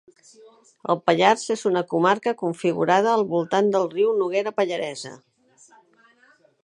El Pallars és una comarca configurada al voltant del riu Noguera Pallaresa.